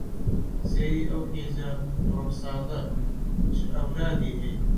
سەیری ئەو حیزە قوڕمساغە چ ئەورادی هەیە